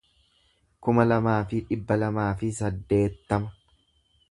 kuma lamaa fi dhibba lamaa fi saddeettama